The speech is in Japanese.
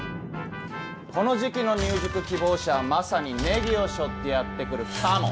この時期の入塾希望者はまさにネギを背負ってやって来るカモ。